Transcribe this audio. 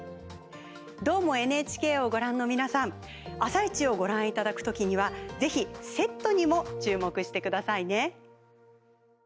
「どーも、ＮＨＫ」をご覧の皆さん「あさイチ」をご覧いただくときにはぜひセットにも注目してくださいね。